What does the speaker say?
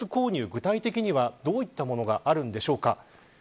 具体的にはどういったものがあるんでしょうか。